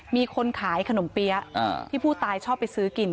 มีคนขายขนมเปี๊ยะที่ผู้ตายชอบไปซื้อกิน